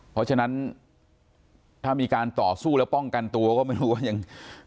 เพราะฉะนั้นถ้ามีการต่อสู้แล้วป้องกันตัวก็ไม่รู้ว่ายัง